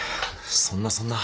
そんなそんな。